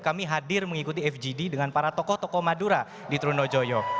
kami hadir mengikuti fgd dengan para tokoh tokoh madura di trunojoyo